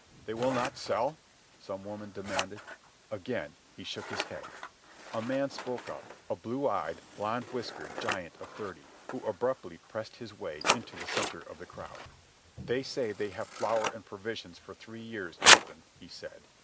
"They will not sell?" some woman demanded. Again he shook his head. A man spoke up, a blue eyed, blond whiskered giant of thirty, who abruptly pressed his way into the centre of the crowd. "They say they have flour and provisions for three years, Captain," he said.